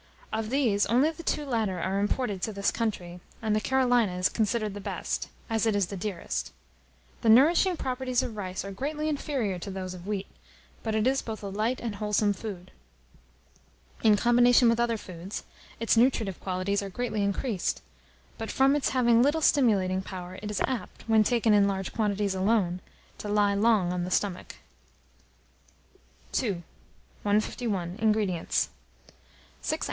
Of these, only the two latter are imported to this country, and the Carolina is considered the best, as it is the dearest. The nourishing properties of rice are greatly inferior to those of wheat; but it is both a light and a wholesome food. In combination with other foods, its nutritive qualities are greatly increased; but from its having little stimulating power, it is apt, when taken in large quantities alone, to lie long on the stomach. II. 151. INGREDIENTS. 6 oz.